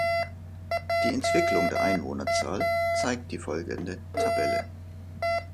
Die Entwicklung der Einwohnerzahl zeigt die folgende Tabelle.